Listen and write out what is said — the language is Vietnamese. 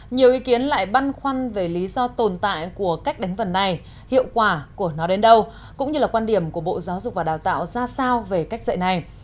nhiều ý kiến lại băn khoăn về lý do tồn tại của cách đánh vần này hiệu quả của nó đến đâu cũng như là quan điểm của bộ giáo dục và đào tạo ra sao về cách dạy này